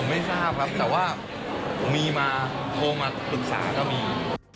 ไม่ทราบครับแต่ว่ามีมาโทรมาปรึกษาก็มี